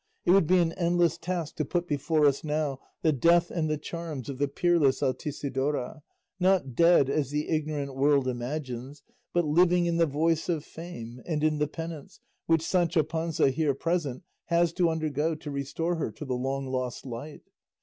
It would be an endless task to put before us now the death and the charms of the peerless Altisidora, not dead as the ignorant world imagines, but living in the voice of fame and in the penance which Sancho Panza, here present, has to undergo to restore her to the long lost light.